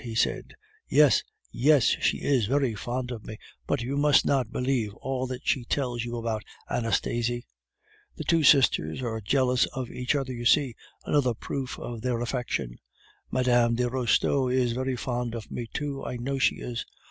he said. "Yes, yes, she is very fond of me. But you must not believe all that she tells you about Anastasie. The two sisters are jealous of each other, you see, another proof of their affection. Mme. de Restaud is very fond of me too. I know she is.